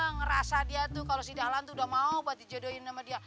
ngerasa dia tuh kalau si dahlan tuh udah mau buat dijodohin sama dia